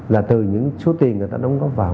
là từ những số tiền người ta đóng góp vào